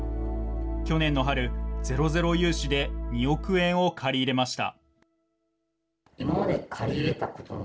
去年の春、ゼロゼロ融資で２億円を借り入れました。